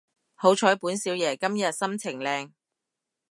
好彩本少爺今日心情靚